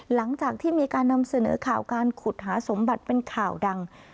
หลังจากที่มีการนำเสนอข่าวการขุดหาสมบัติเป็นข่าวดัง